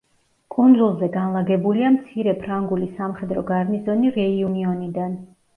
კუნძულზე განლაგებულია მცირე ფრანგული სამხედრო გარნიზონი რეიუნიონიდან.